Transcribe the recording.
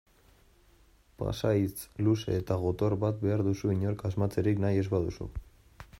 Pasahitz luze eta gotor bat behar duzu inork asmatzerik nahi ez baduzu.